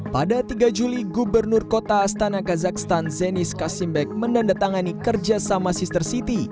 pada tiga juli gubernur kota astana kazakhstan zenis kasimbek menandatangani kerjasama sister city